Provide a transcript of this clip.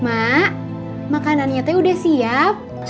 mak makanan nyatanya udah siap